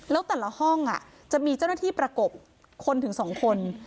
แล้วแต่ละห้องจะมีเจ้าหน้าที่ประกบคนถึง๒คน